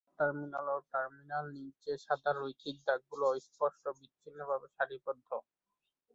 Sub-terminal ও terminal নীলচে সাদা রৈখিক দাগগুলি অস্পষ্ট ও বিচ্ছিন্নভাবে সারিবদ্ধ।